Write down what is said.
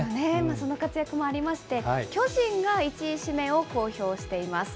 その活躍もありまして、巨人が１位指名を公表しています。